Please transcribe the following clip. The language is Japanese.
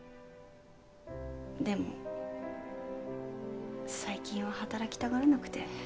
でも最近は働きたがらなくて。